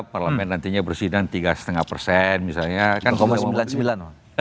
parlamen nantinya bersihkan tiga lima persen misalnya